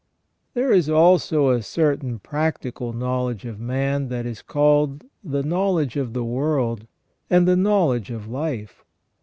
There is also a certain practical knowledge of man that is called the knowledge of the world, and the knowledge of life.